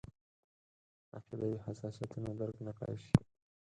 عقیدوي حساسیتونه درک نکړای شي.